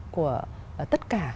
của tất cả